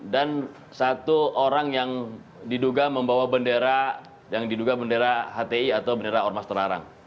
dan satu orang yang diduga membawa bendera yang diduga bendera hti atau bendera ormas terarang